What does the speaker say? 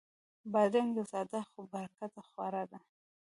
بادرنګ یو ساده خو پُرګټه خواړه دي.